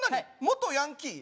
元ヤンキー？